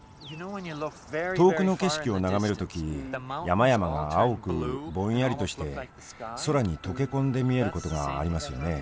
遠くの景色を眺める時山々が青くぼんやりとして空に溶け込んで見えることがありますよね？